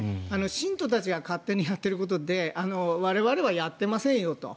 信徒たちが勝手にやっていることで我々はやっていませんよと。